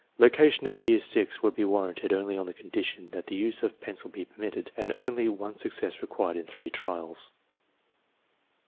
Location at year VI would be warranted only on the condition that the use of pencil be permitted and only one success required in three trials.